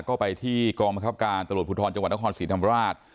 ก็ไปที่กองประครับการตลอดผู้ทรจังหวัดละครศรีธรรมราช